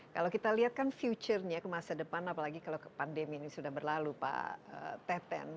kalau kita lihat kan future nya ke masa depan apalagi kalau pandemi ini sudah berlalu pak teten